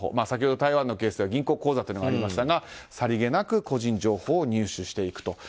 先ほど台湾のケースでは銀行口座がありましたがさりげなく個人情報を入手していく。